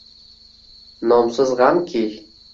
Nomsiz g’amki